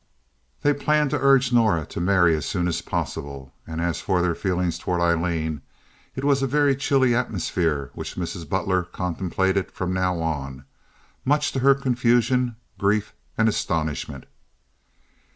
They planned to urge Norah to marry as soon as possible. And as for their feelings toward Aileen, it was a very chilly atmosphere which Mrs. Butler contemplated from now on, much to her confusion, grief, and astonishment.